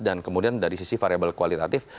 dan kemudian dari sisi variabel kualitatif